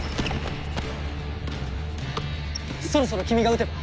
そろそろ君が打てば？